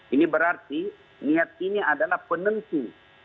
ini berarti niat ini adalah penentu